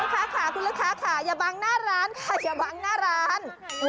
ค้าค่ะคุณลูกค้าค่ะอย่าบังหน้าร้านค่ะอย่าบังหน้าร้าน